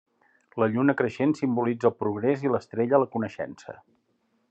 La lluna creixent simbolitza el progrés i l'estrella la coneixença.